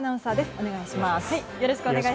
お願いします。